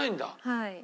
はい。